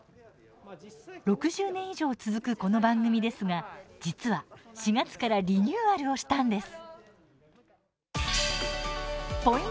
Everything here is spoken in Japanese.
６０年以上続くこの番組ですが実は、４月からリニューアルをしたんです。